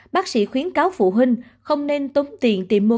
bác sĩ khuyến cáo phụ huynh không nên tốn tiền tìm mua